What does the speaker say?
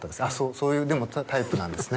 そういうでもタイプなんですね。